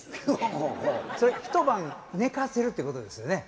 それ一晩寝かせるっていうことですよね？